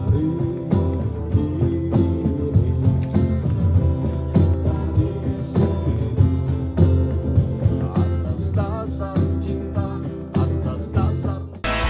kisah kisah yang terbaik di wilayah bogor selatan